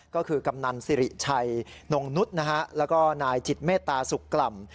ก็คือกำนันสิริชัยนงนุษย์นะฮะแล้วก็นายจิตเมตตาสุขกล่ำ